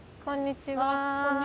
こんにちは。